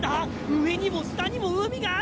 上にも下にも海がある！